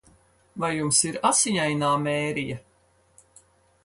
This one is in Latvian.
Vai jums ir Asiņainā Mērija?